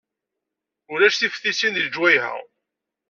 Ulac tiftisin deg lejwayeh-a.